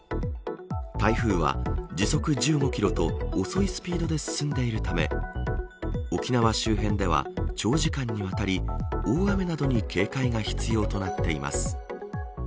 台風は時速１５キロと遅いスピードで進んでいるため沖縄周辺では長時間にわたり大雨などに警戒が必要となっています。